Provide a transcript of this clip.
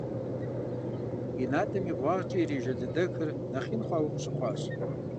И натӀэм и бгъуагъкӀэ ирижэ лэдэхыр нэхъ ин хъуауэ къыщыхъуащ.